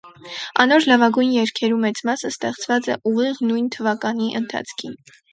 Անոր լաւագոյն երգերու մեծ մասը ստեղծուած է ուղիղ նոյն թուականի ընթացքին։